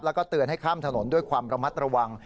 แล้วก็เตือนให้ข้ามถนนด้วยความระมัดระวัง